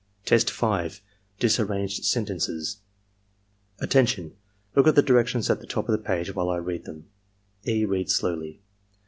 Test 5. — ^Disarranged Sentences "Attention! Look at the directions at the top of the page while I read them." (E. reads slowly.)